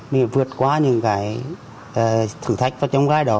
mình phải vượt qua những cái thử thách trong cái đó